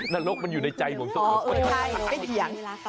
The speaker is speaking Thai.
นรกมันอยู่ในใจของสุฬค